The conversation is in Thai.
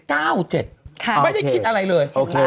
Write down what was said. ไม่ได้คิดอะไรเลย